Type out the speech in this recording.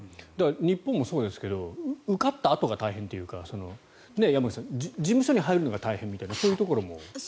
日本もそうですけど受かったあとが大変というか山口さん事務所に入るのが大変みたいなそういうところもあったり。